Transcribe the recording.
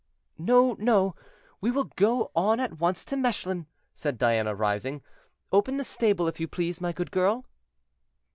"No, no, we will go on at once to Mechlin," said Diana, rising; "open the stable, if you please, my good girl."